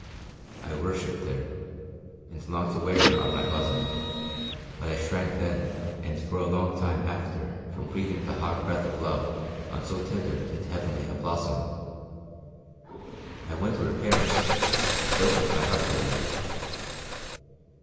I worshipped her, and longed to wear her on my bosom; but I shrank then and for a long time after from breathing the hot breath of love on so tender and heavenly a blossom. I went to her parents and opened my heart to them.